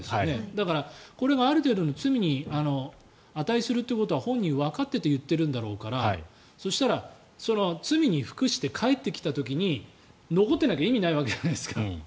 だからこれがある程度の罪に値するということは本人はわかっていて言っていたんだろうから罪に服して帰ってきた時に残っていなきゃ意味がないわけじゃないですか。